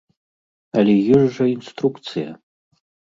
Але ёсць жа інструкцыя!